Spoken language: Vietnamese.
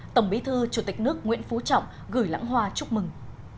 tổng bí thư chủ tịch nước nguyễn phú trọng gửi lãng hoa chúc mừng